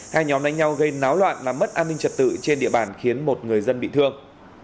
hai nhóm đánh nhau gây náo loạn làm mất an ninh trật tự trên địa bàn khiến một người dân bị thương